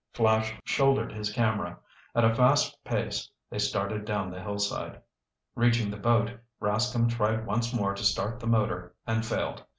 Flash shouldered his camera. At a fast pace they started down the hillside. Reaching the boat, Rascomb tried once more to start the motor and failed.